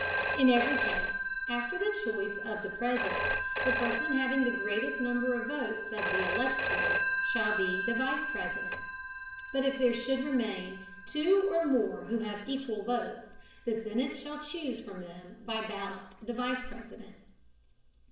In every Case, after the Choice of the President, the Person having the greatest Number of Votes of the Electors shall be the Vice President. But if there should remain two or more who have equal Votes, the Senate shall chuse from them by Ballot the Vice President.